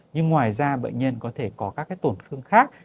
nhưng ngoài ra bệnh nhân có thể có các cái tổn thương khác